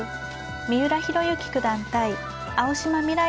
三浦弘行九段対青嶋未来